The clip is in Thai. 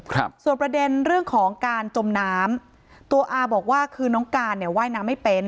ครับส่วนประเด็นเรื่องของการจมน้ำตัวอาบอกว่าคือน้องการเนี่ยว่ายน้ำไม่เป็น